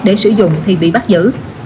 để sử dụng thì bị bắt giữ